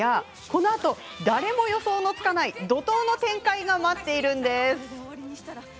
このあと誰も予想のつかない怒とうの展開が待っているんです。